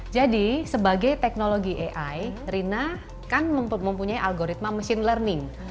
jadi sebagai teknologi ai rina kan mempunyai algoritma machine learning